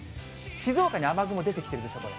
静岡に雨雲出てきてるでしょ、これ。